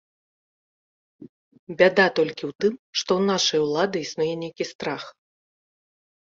Бяда толькі ў тым, што ў нашай улады існуе нейкі страх.